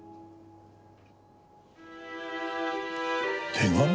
手紙？